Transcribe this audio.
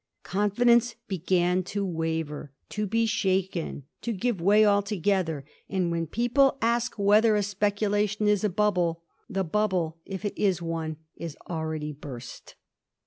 Confidence began to waver, to be shaken^ to give way altogether ; and when people ask whether a speculation is a bubble, the bubble, if it is one, is already burst.